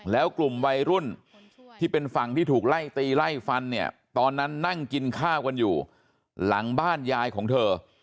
แล้วกลุ่มวัยรุ่นที่เป็นฝั่งที่ถูกไล่ตีไล่ฟันเนี่ยตอนนั้นนั่งกินข้าวกันอยู่หลังบ้านยายของเธอ